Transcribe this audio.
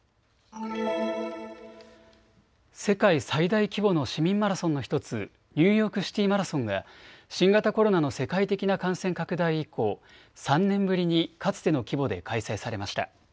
世界最大規模の市民マラソンの１つ、ニューヨークシティマラソンが新型コロナの世界的な感染拡大以降、３年ぶりにかつての規模で開催されました。